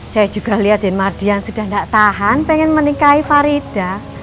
saya juga lihat din mardian sudah gak tahan pengen menikahi farida